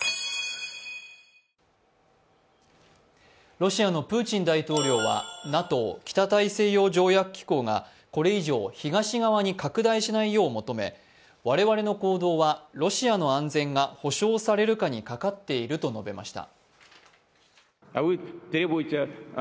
ロシアのプーチン大統領はＮＡＴＯ＝北大西洋条約機構がこれ以上東側に拡大しないよう求め我々の行動はロシアの安全が保証されるかにかかっていると述べました。